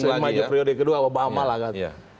kampanye maju prioritas kedua obama lah kan